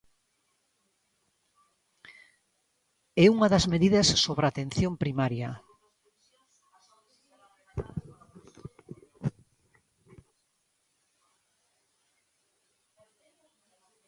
É unha das medidas sobre atención primaria.